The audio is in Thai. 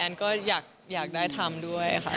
ก็อยากได้ทำด้วยค่ะ